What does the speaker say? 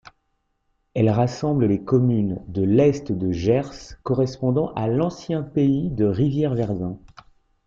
Elle rassemble les communes de l'est de Gers correspondant à l'ancien pays de Rivière-Verdun.